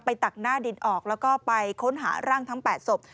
ตักหน้าดินออกแล้วก็ไปค้นหาร่างทั้ง๘ศพ